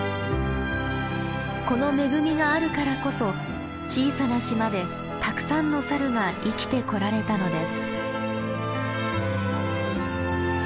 この恵みがあるからこそ小さな島でたくさんのサルが生きてこられたのです。